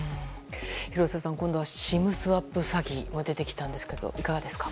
廣瀬さん、今度はＳＩＭスワップ詐欺が出てきたんですけどいかがですか？